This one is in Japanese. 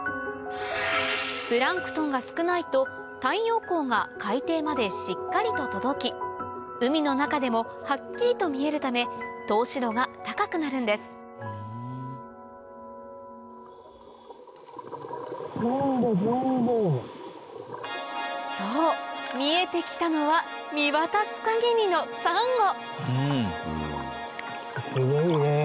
プランクトンが少ないと太陽光が海底までしっかりと届き海の中でもはっきりと見えるため透視度が高くなるんですそう見えて来たのは見渡す限りのサンゴ